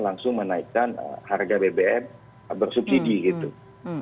langsung menaikkan harga bbm bersubsidi gitu